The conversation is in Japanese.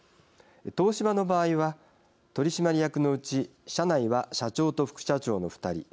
東芝の場合は取締役のうち社内は、社長と副社長の２人。